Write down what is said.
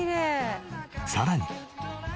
さらに。